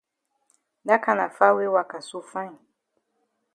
Dat kana far way waka so fine.